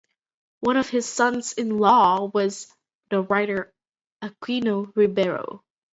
One of his sons-in-law was the writer Aquilino Ribeiro.